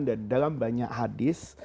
dan dalam banyak hadis